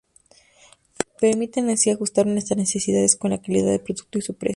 Permiten así ajustar nuestras necesidades, con la calidad del producto y su precio.